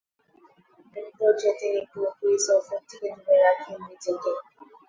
এক পর্যায়ে তিনি পুরোপুরি সফর থেকে দূরে রাখেন নিজেকে।